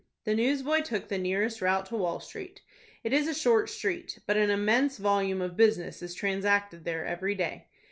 The newsboy took the nearest route to Wall Street, It is a short street; but an immense volume of business is transacted there every day.